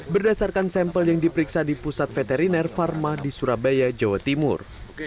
berdasarkan sampel yang diperiksa di pusat veteriner pharma di surabaya jawa timur